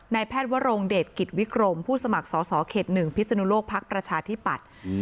แพทย์วรงเดชกิจวิกรมผู้สมัครสอสอเขต๑พิศนุโลกภักดิ์ประชาธิปัตย์